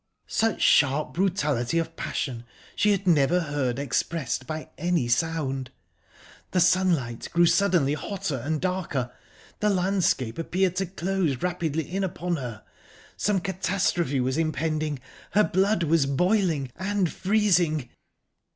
Such sharp brutality of passion she had never heard expressed by any sound...The sunlight grew suddenly hotter and darker, the landscape appeared to close rapidly in upon her, some catastrophe was impending; her blood was boiling and freezing...